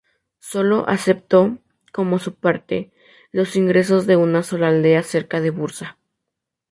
Sólo aceptó, como su parte, los ingresos de una sola aldea cerca de Bursa.